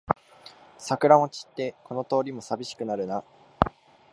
桜も散ってこの通りもさびしくなるな